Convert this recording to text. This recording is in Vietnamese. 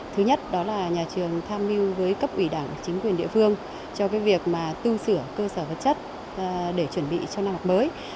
thứ nhất đó là nhà trường tham mưu với cấp ủy đảng chính quyền địa phương cho việc tu sửa cơ sở vật chất để chuẩn bị cho năm học mới